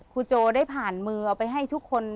โจได้ผ่านมือเอาไปให้ทุกคน